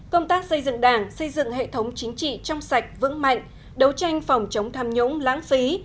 công tác xây dựng đảng xây dựng hệ thống chính trị trong sạch vững mạnh đấu tranh phòng chống tham nhũng lãng phí